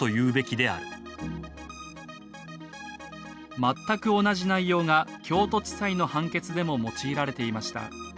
全く同じ内容が京都地裁の判決でも用いられていました。